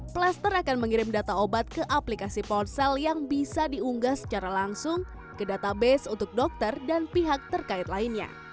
plaster akan mengirim data obat ke aplikasi ponsel yang bisa diunggah secara langsung ke database untuk dokter dan pihak terkait lainnya